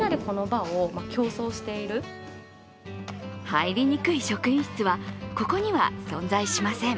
入りにくい職員室はここには存在しません。